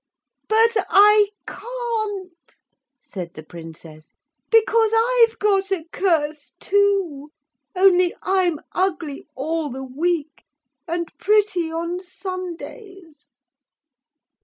'But I can't,' said the Princess, 'because I've got a curse too only I'm ugly all the week and pretty on Sundays.'